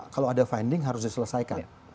kalau ada finding harus diselesaikan